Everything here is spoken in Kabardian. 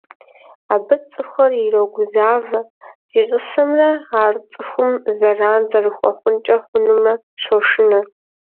Абы цӀыхухэр ирогузавэ, зищӀысымрэ ар цӀыхум зэран зэрыхуэхъункӀэ хъунумрэ щошынэ.